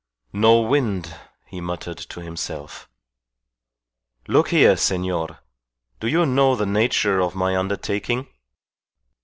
"No wind!" he muttered to himself. "Look here, senor do you know the nature of my undertaking?"